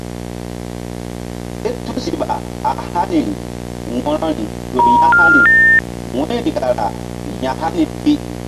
Ké tusiɓa a haniri wo̧roi ƴo ya̧hani wu̧yri kara ya̧hani pi.